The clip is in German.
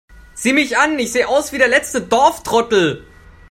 Sieh mich an, ich sehe aus wie der letzte Dorftrottel!